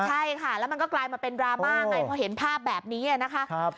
ใช่ค่ะแล้วมันก็กลายมาเป็นดราม่าไงพอเห็นภาพแบบนี้นะคะ